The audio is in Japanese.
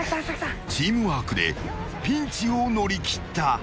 ［チームワークでピンチを乗り切った］